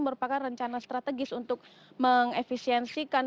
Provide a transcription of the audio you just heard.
merupakan rencana strategis untuk mengefisiensikan